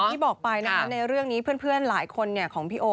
ที่บอกไปนะคะในเรื่องนี้เพื่อนหลายคนของพี่โอ